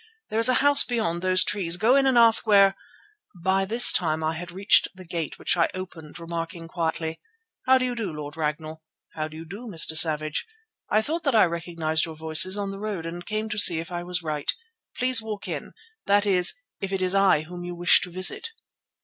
There is a house beyond those trees; go in and ask where——" By this time I had reached the gate which I opened, remarking quietly, "How do you do, Lord Ragnall? How do you do, Mr. Savage? I thought that I recognized your voices on the road and came to see if I was right. Please walk in; that is, if it is I whom you wish to visit."